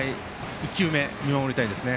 １球目、見守りたいですね。